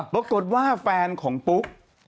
ปรากฏว่าแฟนของปุ๊ก